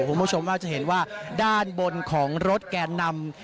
คุณผู้ชมอาจจะเห็นว่าด้านบนของรถแกนนำ